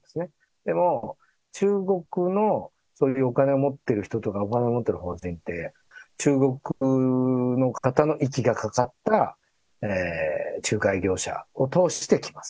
でも、中国の、そういうお金を持ってる人とか、お金を持ってる法人って、中国の方の息がかかった仲介業者を通してきます。